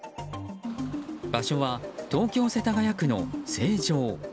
場所は、東京・世田谷区の成城。